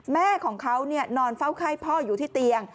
แม่ของเขานอนเฝ้าไข้พ่ออยู่ที่เตียง